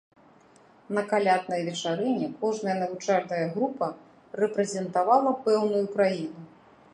На каляднай вечарыне кожная навучальная група рэпрэзентавала пэўную краіну.